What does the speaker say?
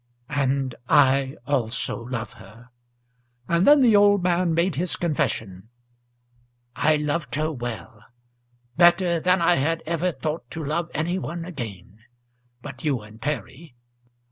"And I also love her." And then the old man made his confession. "I loved her well; better than I had ever thought to love any one again, but you and Perry.